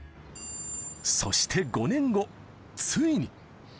そして５年後、ついに。